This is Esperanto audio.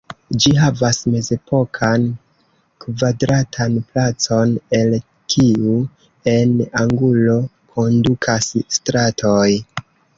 Ĝi havas mezepokan kvadratan placon, el kiu en anguloj kondukas stratoj.